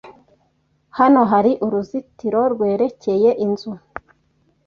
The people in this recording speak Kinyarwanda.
Hano hari uruzitiro rwerekeye inzu.